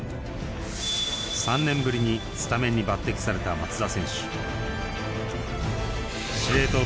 ３年ぶりにスタメンに抜てきされた松田選手